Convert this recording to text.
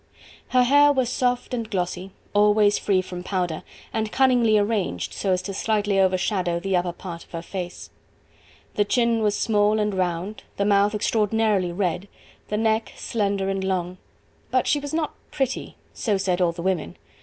Her hair was soft and glossy, always free from powder, and cunningly arranged so as to slightly overshadow the upper part of her face. The chin was small and round, the mouth extraordinarily red, the neck slender and long. But she was not pretty: so said all the women.